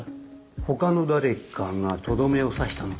ほかの誰かがとどめを刺したのかもな。